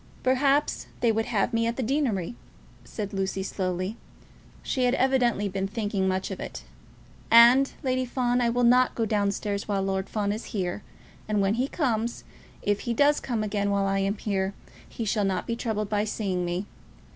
"Perhaps they would have me at the deanery," said Lucy slowly. She had evidently been thinking much of it all. "And, Lady Fawn, I will not go down stairs while Lord Fawn is here; and when he comes, if he does come again while I am here, he shall not be troubled by seeing me.